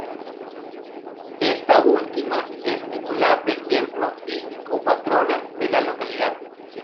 Esta última es titular del templo y copatrona de la localidad.